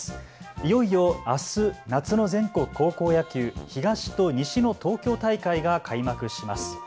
いよいよあす夏の全国高校野球、東と西の東京大会が開幕します。